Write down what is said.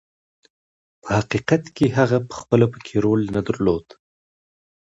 په حقیقت کې هغه پخپله پکې رول نه درلود.